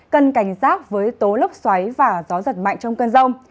cần cảnh giác với tố lốc xoáy và gió giật mạnh trong cơn rông